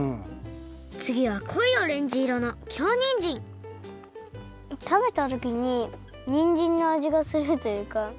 つぎはこいオレンジ色の京にんじんたべたときににんじんのあじがするというか。